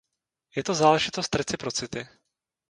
Je to záležitost reciprocity.